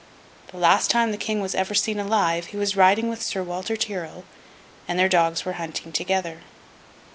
The last time the King was ever seen alive, he was riding with Sir Walter Tyrrel, and their dogs were hunting together.